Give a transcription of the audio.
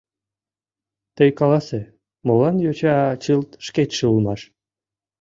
— Тый каласе: молан йоча чылт шкетше улмаш?